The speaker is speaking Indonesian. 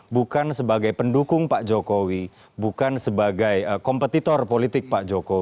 bukan sebagai pendukung pak jokowi bukan sebagai kompetitor politik pak jokowi